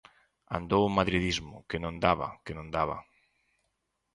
Andou o madridismo, que non daba, que non daba.